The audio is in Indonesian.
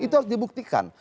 itu harus dibuktikan